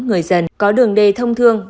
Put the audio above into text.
người dân có đường đê thông thương